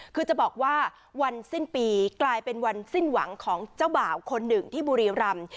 คือจะบอกว่าวันสิ้นปีกลายเป็นวันสิ้นหวังของเจ้าบ่าวคนหนึ่งที่บุรีรำ